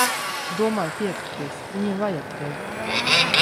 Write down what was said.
Domāju, piekritīs. Viņiem vajag tevi.